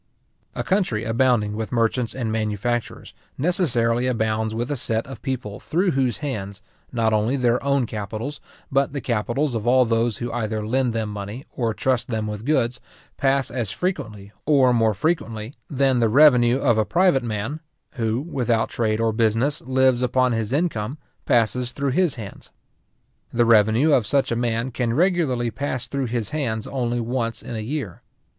A country abounding with merchants and manufacturers, necessarily abounds with a set of people through whose hands, not only their own capitals, but the capitals of all those who either lend them money, or trust them with goods, pass as frequently, or more frequently, than the revenue of a private man, who, without trade or business, lives upon his income, passes through his hands. The revenue of such a man can regularly pass through his hands only once in a year.